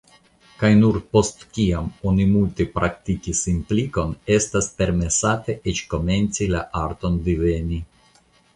Kaj nur postkiam oni multe praktikis implikon, estas permesate eĉ komenci la arton diveni.